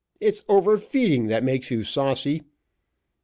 It's over feeding that makes you saucy."